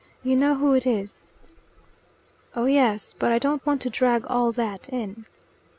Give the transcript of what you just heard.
You know who it is?" "Oh yes; but I don't want to drag all that in."